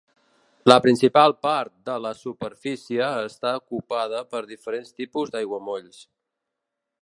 La principal part de la superfície està ocupada per diferents tipus d'aiguamolls.